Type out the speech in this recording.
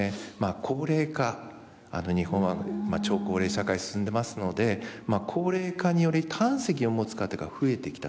高齢化日本は超高齢社会進んでますのでまあ高齢化により胆石を持つ方が増えてきたと。